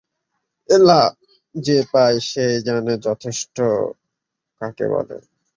এলা, যে পায় সেই জানে যথেষ্ট কাকে বলে।